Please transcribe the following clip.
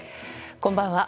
こんばんは。